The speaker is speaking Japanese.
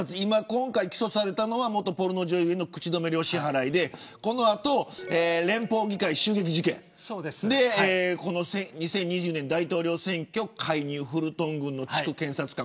今回起訴されたのは元ポルノ女優の口止め料支払いでこの後、連邦議会襲撃事件大統領選挙介入フルトン郡の地区検察官